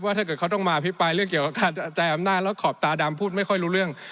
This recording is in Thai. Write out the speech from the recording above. ถ้าเกิดเขาต้องมาอภิปรายเรื่องเกี่ยวกับการกระจายอำนาจแล้วขอบตาดำพูดไม่ค่อยรู้เรื่อง